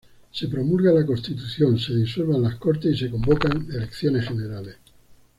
Se promulga la Constitución, se disuelven las Cortes y se convocan elecciones generales.